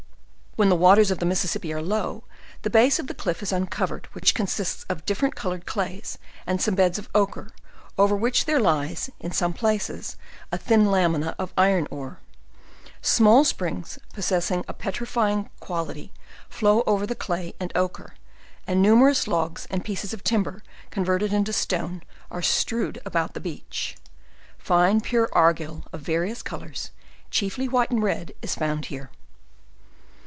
When the waters of the Mississippi are low, the base of the cliff is uncovered, which consists of different colored clays, and some beds of ochre, over which their lies, in some pla ces, a thin lamina of iron ore. Small springs possessing a petrifying quality flow over the clay and ochre, and numer ous logs and pieces of timber, converted into stone are strew ed about the beach. Fine pure argil of various colors, chief ly white and red, is fjund here.